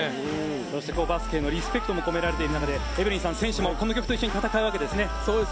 そしてバスケへのリスペクトも込められている中でエブリンさん選手もこの曲とともに戦うわけですね。